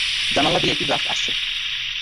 জানালা দিয়ে একটা ড্রাফ্ট আসছে।